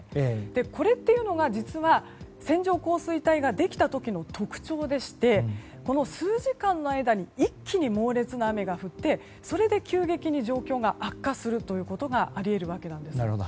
これというのは線状降水帯ができた時の特徴でして、この数時間の間に一気に猛烈な雨が降ってそれで急激に状況が悪化するということがあり得るわけなんです。